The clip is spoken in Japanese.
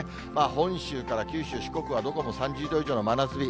本州から九州、四国はどこも３０度以上の真夏日。